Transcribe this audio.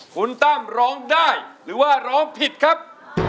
คุณตั้มร้องได้หรือว่าร้องผิดครับ